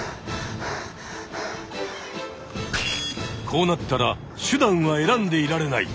こうなったら手段は選んでいられない。